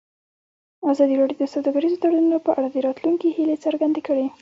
ازادي راډیو د سوداګریز تړونونه په اړه د راتلونکي هیلې څرګندې کړې.